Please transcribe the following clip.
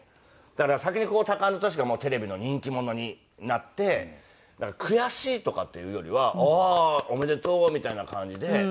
だから先にタカアンドトシがテレビの人気者になって悔しいとかっていうよりはああおめでとうみたいな感じで。